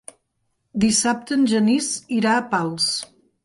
Dissabte en Genís irà a Pals.